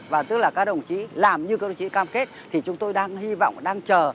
và tức là các đồng chí làm như các đồng chí cam kết thì chúng tôi đang hy vọng đang chờ